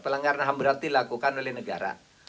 pelanggaran ham berat dilakukan oleh negara